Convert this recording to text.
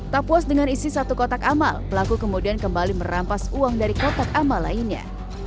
tak puas dengan isi satu kotak amal pelaku kemudian kembali merampas uang dari kotak amal lainnya